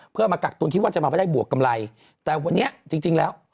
เพื่อมากักตุ้นคิดว่าจะมาไม่ได้บวกกำไรแต่วันนี้จริงจริงแล้ว